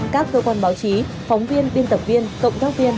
các cơ quan báo chí phóng viên biên tập viên cộng tác viên